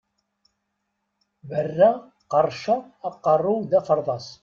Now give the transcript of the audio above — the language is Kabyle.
Berraɣ qerrceɣ, aqerru-w d aferḍas!